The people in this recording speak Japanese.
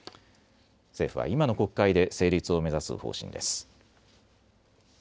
政府は今の国会で成立を目指す方針です。